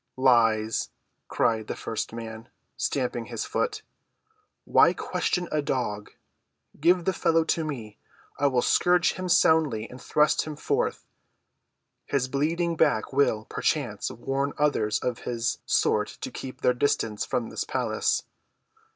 "Lies!" cried the first man, stamping his foot. "Why question a dog? Give the fellow to me; I will scourge him soundly and thrust him forth. His bleeding back will, perchance, warn others of his sort to keep their distance from the palace."